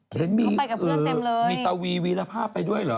เข้าไปกับเพื่อนเต็มเลยมีตะวีวีรภาพไปด้วยเหรอ